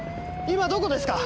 今どこですか？